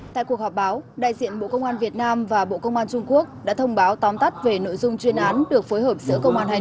tại cuộc họp báo đại diện bộ công an việt nam và bộ công an trung quốc đã thông báo tóm tắt về nội dung chuyên án được phối hợp giữa công an hai nước